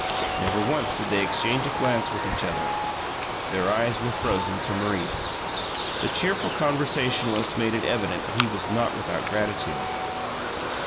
Never once did they exchange a glance with each other; their eyes were frozen to Maurice. The cheerful conversationalist made it evident that he was not without gratitude.